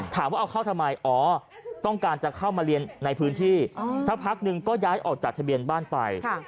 ถามว่าเอาเข้าทำไมอ๋อต้องการจะเข้ามาเรียนในพื้นที่สักพักนึงก็ย้ายออกจากทะเบียนบ้านไป